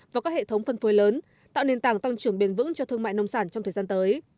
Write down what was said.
vào các hệ thống phân phối lớn tạo nền tảng tăng trưởng bền vững cho thương mại nông sản trong thời gian tới